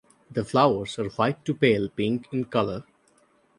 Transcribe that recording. The flowers are white to pale pink in colour.